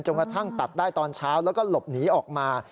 กระทั่งตัดได้ตอนเช้าแล้วก็หลบหนีออกมา